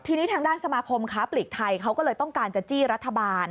ทีนี้ทางด้านสมาคมค้าปลีกไทยเขาก็เลยต้องการจะจี้รัฐบาล